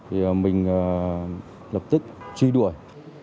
thì mình lập tức truy đuổi